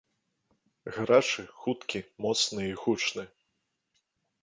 Гарачы, хуткі, моцны і гучны!!